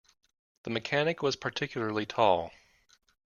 The mechanic was particularly tall.